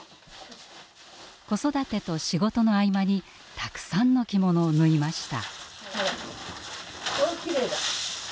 子育てと仕事の合間にたくさんの着物を縫いました。